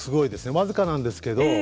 僅かなんですけど。